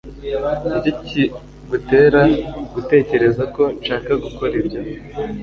Niki kigutera gutekereza ko nshaka gukora ibyo?